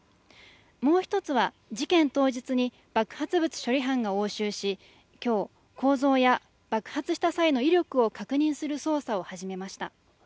もう一つは、事件当日に爆発物処理班が押収し今日、構造や爆発した際の威力を確認する捜査を始めました。